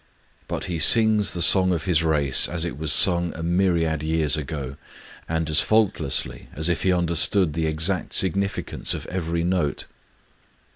But he sings the song of his race as it was sung a myriad years ago, and as faultlessly as if he understood the exact significance of every note.